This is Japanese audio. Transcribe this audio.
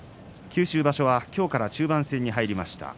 九州場所は今日から中盤戦に入りました。